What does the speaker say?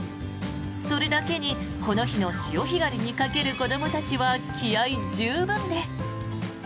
それだけにこの日の潮干狩りにかける子どもたちは気合十分です。